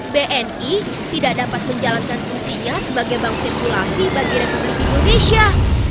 bni tidak dapat menjalankan fungsinya sebagai bank sirkulasi bagi republik indonesia